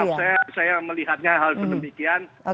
mohon maaf saya melihatnya hal seperti itu